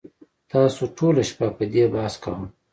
تاسو ټوله شپه په دې بحث کاوه